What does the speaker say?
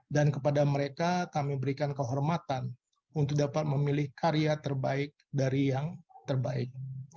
dan kepada mereka kami berikan kehormatan untuk dapat memilih karya terbaik dari yang terbaik